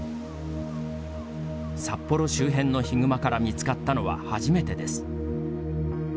札幌周辺のヒグマから見つかったのは初めてです。